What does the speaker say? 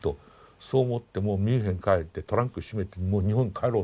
そう思ってもうミュンヘンに帰ってトランク閉めてもう日本に帰ろうと。